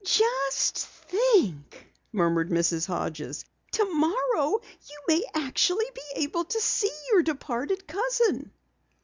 "Just think!" murmured Mrs. Hodges. "Tomorrow you may actually be able to see your departed cousin!"